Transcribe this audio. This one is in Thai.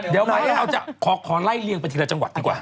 เดี๋ยวขอไล่เลียงไปทีละจังหวัดดีกว่า